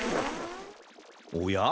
おや？